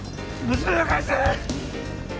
娘を返せ！